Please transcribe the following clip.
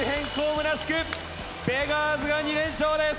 むなしくベガーズが２連勝です。